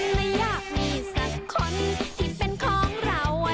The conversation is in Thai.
และอยากมีสักคนที่เป็นของเรา